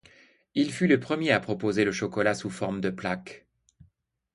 Il fut le premier à proposer le chocolat sous forme de plaque.